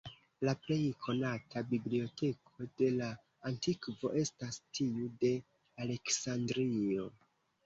La plej konata biblioteko de la antikvo estas tiu de Aleksandrio.